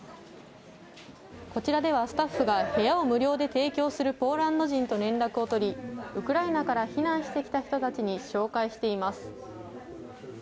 こちらではスタッフが、部屋を無料で提供するポーランド人と連絡を取り、ウクライナから避難してきた人たちに紹介しています。